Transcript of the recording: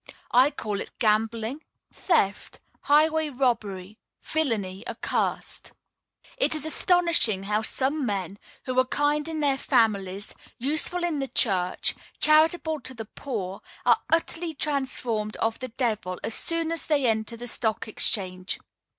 I call it gambling, theft, highway robbery, villany accursed. It is astonishing how some men, who are kind in their families, useful in the church, charitable to the poor, are utterly transformed of the devil as soon as they enter the Stock Exchange.